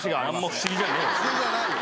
不思議じゃないよ。